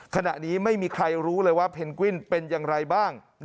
ขณะนี้ไม่มีใครรู้เลยว่าเพนกวินเป็นอย่างไรบ้าง